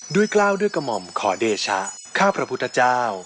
ด้วยกล้าวด้วยกมอมขอเดชะข้าพระพุทธเจ้า